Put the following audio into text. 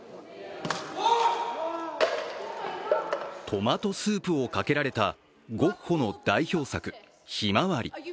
トマトスープをかけられたゴッホの代表作「ひまわり」。